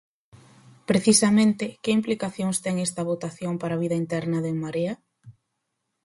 Precisamente, que implicacións ten esta votación para a vida interna de En Marea?